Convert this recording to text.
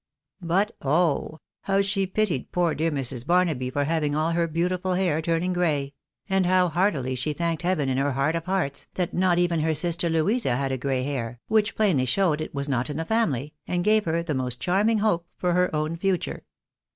But oh ! how she pitied poor dear Mrs. Baruaby for having all her beautiful hair turning gray ! and how heartily she thanked heaven in her heart of hearts, that not even her sister Louisa had a gray hair, which plainly showed it was not in the family, and gave her the most charming hope for her own future.